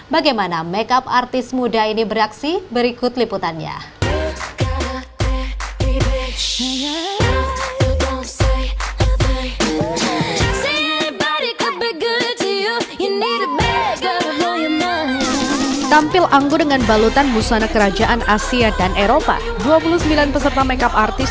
bagaimana make up artis muda ini beraksi berikut liputannya